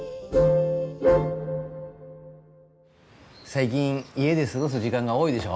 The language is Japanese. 最近家で過ごす時間が多いでしょ。